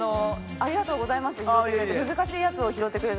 ありがとうございます。